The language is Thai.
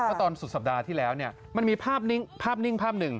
ตอนสุดสัปดาห์ที่แล้วเนี่ยมันมีภาพนิ่งภาพหนึ่ง